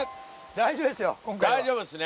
大丈夫ですね